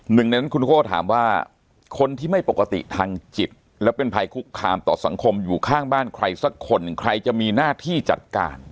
หนึ่งในนั้นคุณโก้ถามว่าคนที่ไม่ปกติทางจิตและเป็นภัยคุกคามต่อสังคมอยู่ข้างบ้านใครสักคนใครจะมีหน้าที่จัดการ